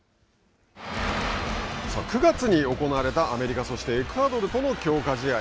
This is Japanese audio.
９月に行われたアメリカそしてエクアドルとの強化試合。